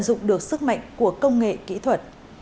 tận dụng được sức mạnh của công nghệ kỹ thuật